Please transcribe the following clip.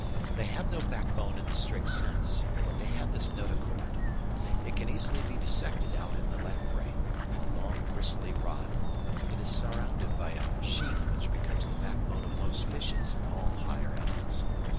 They have no backbone in the strict sense, but they have this notochord. It can easily be dissected out in the lamprey a long gristly rod. It is surrounded by a sheath which becomes the backbone of most fishes and of all higher animals.